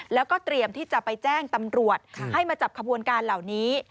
แล้วก็เตรียมที่จะไปแจ้งตำรวจให้มาจับขบวนการเหล่านี้